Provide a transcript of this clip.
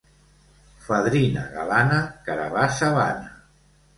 Fadrina galana, carabassa vana.